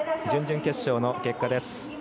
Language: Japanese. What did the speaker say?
準々決勝の結果です。